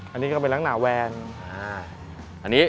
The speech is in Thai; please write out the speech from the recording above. อันนี้ก็เป็นลักหน่าแวร์น